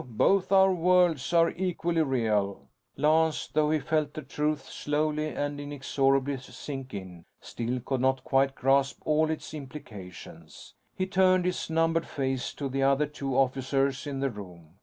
Both our worlds are equally real." Lance, though he felt the truth slowly and inexorably sink in, still could not quite grasp all its implications. He turned his numbed face to the other two officers in the room.